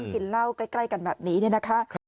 กินเหล้าใกล้กันแบบนี้เนี่ยนะคะ